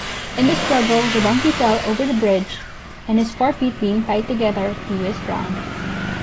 In the struggle the Donkey fell over the bridge, and his fore feet being tied together he was drowned.